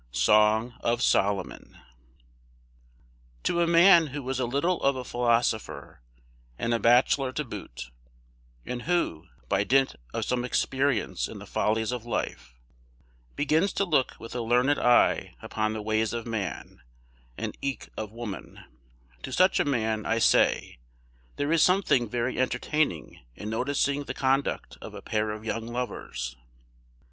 SONG OF SOLOMON. To a man who is a little of a philosopher, and a bachelor to boot; and who, by dint of some experience in the follies of life, begins to look with a learned eye upon the ways of man, and eke of woman; to such a man, I say, there is something very entertaining in noticing the conduct of a pair of young lovers.